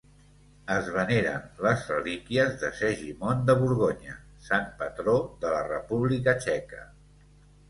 Es veneren les relíquies de Segimon de Borgonya, sant patró de la República Txeca.